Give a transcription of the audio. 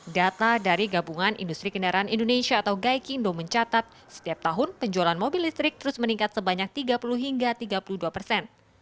data dari gabungan industri kendaraan indonesia atau gaikindo mencatat setiap tahun penjualan mobil listrik terus meningkat sebanyak tiga puluh hingga tiga puluh dua persen